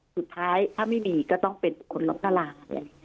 สุดท้ายถ้าไม่มีก็ต้องเป็นบุคคลล้มละลาย